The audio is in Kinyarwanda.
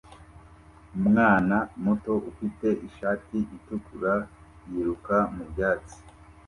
Umwana muto ufite ishati itukura yiruka mu byatsi